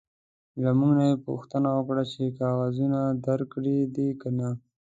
له موږ نه یې پوښتنه وکړه چې کاغذونه درکړي دي که نه.